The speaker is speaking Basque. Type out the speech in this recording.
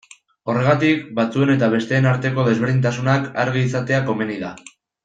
Horregatik, batzuen eta besteen arteko desberdintasunak argi izatea komeni da.